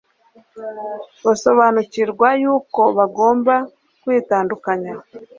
Basobanukirwa yuko bagomba kwitandukanya